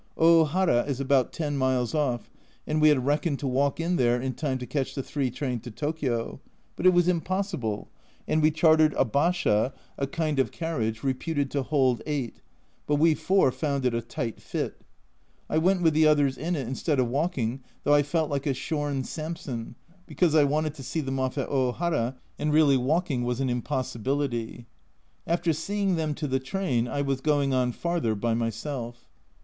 Ohara is about 10 miles off, and we had reckoned to walk in there in time to catch the 3 train to Tokio, but it was impossible, and we chartered a basha (a kind of 126 A Journal from Japan carriage), reputed to hold eight, but we four found it a tight fit. I went with the others in it, instead of walk ing, though I felt like a shorn Samson, because I wanted to see them off at Ohara, and really walking was an impossibility. After seeing them to the train, I was going on farther by myself.